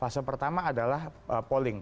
fase pertama adalah polling